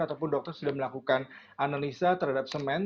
ataupun dokter sudah melakukan analisa terhadap semen